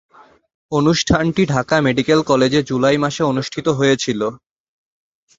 অনুষ্ঠানটি ঢাকা মেডিকেল কলেজে জুলাই মাসে অনুষ্ঠিত হয়েছিলো।